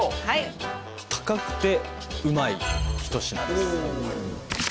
はい高くてうまい一品です